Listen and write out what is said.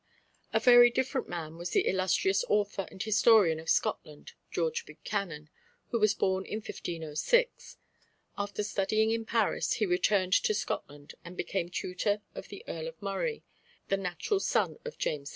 A very different man was the illustrious author and historian of Scotland, George Buchanan, who was born in 1506. After studying in Paris, he returned to Scotland, and became tutor of the Earl of Murray, the natural son of James V.